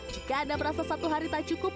jika anda merasa satu hari tak cukup